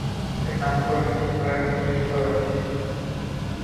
এর নামকরণ একটি ফলের নাম থেকে করা হয়েছে।